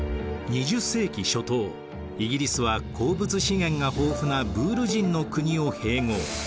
２０世紀初頭イギリスは鉱物資源が豊富なブール人の国を併合。